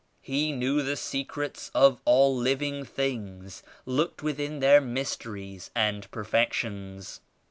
He knew the Secrets of all living things; looked within their mysteries and perfections.